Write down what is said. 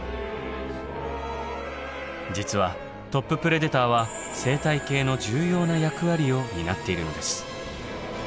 実はトッププレデターは生態系の重要な役割を担っているのです。